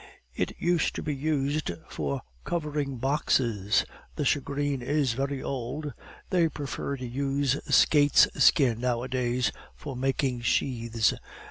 "It used to be used for covering boxes. The shagreen is very old. They prefer to use skate's skin nowadays for making sheaths.